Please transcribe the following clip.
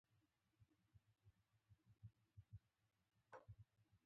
د کورنۍ له ښځینه غړو سره په امن کې.